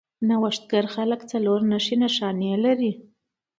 نوښتګر خلک څلور نښې نښانې لري.